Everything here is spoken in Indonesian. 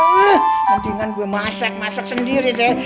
nanti kan gue masak masak sendiri deh